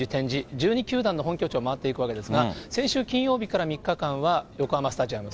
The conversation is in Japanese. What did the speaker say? １２球団の本拠地を回っていくわけですが、先週金曜日から３日間は横浜スタジアム。